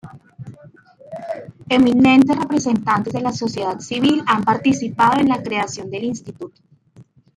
Eminentes representantes de la sociedad civil han participado en la creación del instituto.